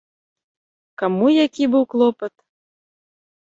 Каму які быў клопат?